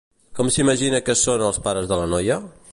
Com s'imagina que són els pares de la noia?